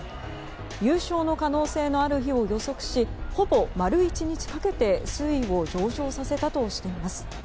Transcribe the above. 優勝の可能性のある日を予測しほぼ丸１日かけて水位を上昇させたとしています。